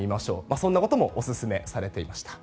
そんなこともオススメされていました。